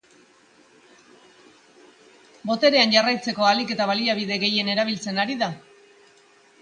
Boterean jarraitzeko ahalik eta baliabide guztiak erabiltzen ari da.